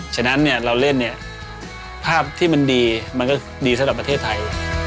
ฉะนั้นเราเล่นภาพที่มันดีมันก็ดีสำหรับประเทศไทย